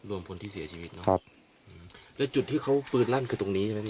รวมคนที่เสียชีวิตเนอะครับแล้วจุดที่เขาปืนลั่นคือตรงนี้ใช่ไหมพี่